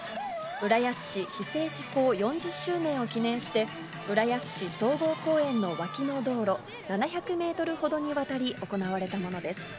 浦安市市制施行４０周年を記念して、浦安市総合公園の脇の道路、７００メートルほどにわたり行われたものです。